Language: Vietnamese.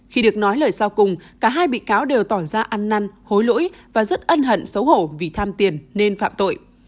khi được nói lời sau cùng cả hai bị cáo đều tỏ ra ăn năn hối lỗi và rất ân hận xấu hổ vì tham tiền nên phạm tội